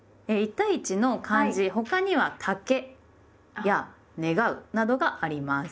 １対１の漢字他には「竹」や「『願』う」などがあります。